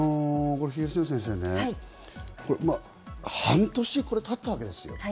東野先生、半年経ったわけです。